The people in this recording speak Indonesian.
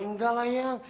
enggak lah yang